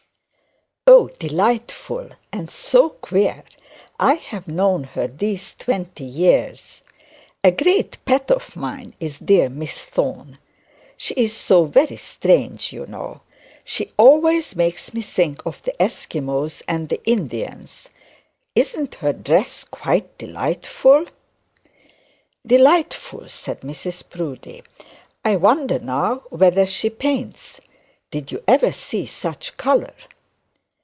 'Oh, delightful and so queer; I've known her these twenty years. A great pet of mine is dear Miss Thorne. She is so very strange, you know. She always makes me think of the Esquimaux and the Indians. Isn't her dress quite delightful?' 'Delightful,' said Mrs Proudie; 'I wonder now whether she paints. Did you ever see such colour?'